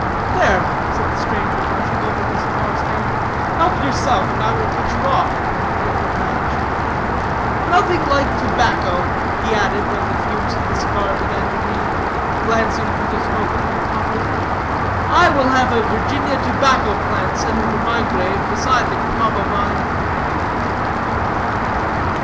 "There," said the stranger, pushing over the cigar stand, "help yourself, and I will touch you off," taking a match. "Nothing like tobacco," he added, when the fumes of the cigar began to wreathe, glancing from the smoker to the pottery, "I will have a Virginia tobacco plant set over my grave beside the Catawba vine."